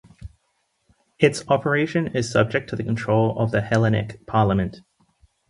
Its operation is subject to the control of the Hellenic Parliament.